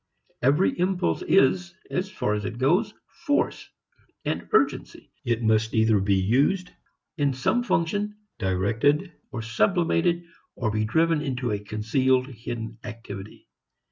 Every impulse is, as far as it goes, force, urgency. It must either be used in some function, direct or sublimated, or be driven into a concealed, hidden activity.